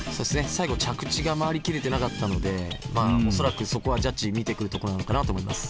最後着地が回りきれてなかったので恐らくそこはジャッジ見てくるところなのかなと思います。